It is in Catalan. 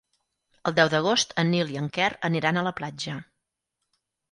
El deu d'agost en Nil i en Quer aniran a la platja.